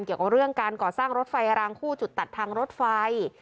เกี่ยวกับเรื่องการก่อสร้างรถไฟรางคู่จุดตัดทางรถไฟ